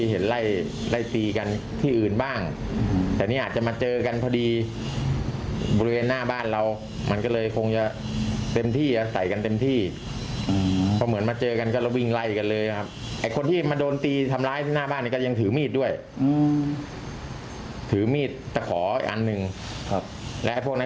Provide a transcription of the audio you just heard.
ให้ตำรวจตามแก๊งวัยรุ่นพวกนี้ต้องมารับผิดชอบนะคะ